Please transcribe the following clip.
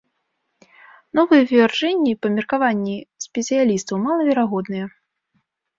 Новыя вывяржэнні, па меркаванні спецыялістаў, малаверагодныя.